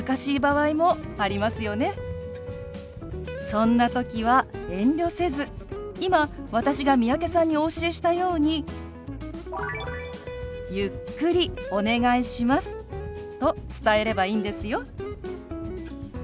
そんな時は遠慮せず今私が三宅さんにお教えしたように「ゆっくりお願いします」と伝えればいいんですよ。